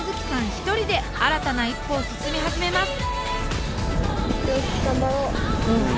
一人で新たな一歩を進み始めます。